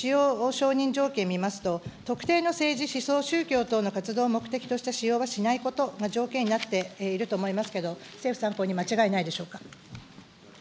承認条件見ますと、特定の政治、思想、宗教等の活動を目的とした使用はしないことが条件になっていると思いますけど、政府参考人、間違いないでしょうか。